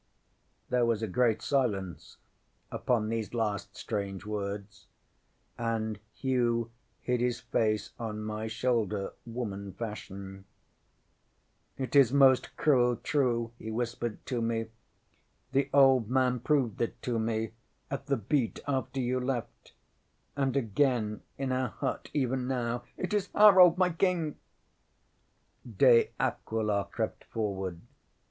ŌĆØ ŌĆśThere was a great silence upon these last strange words, and Hugh hid his face on my shoulder, woman fashion. ŌĆśŌĆ£It is most cruel true, ŌĆØ he whispered to me. ŌĆ£The old man proved it to me at the beat after you left, and again in our hut even now. It is Harold, my King! ŌĆØ ŌĆśDe Aquila crept forward.